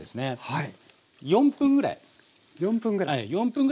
はい。